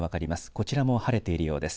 こちらも晴れているようです。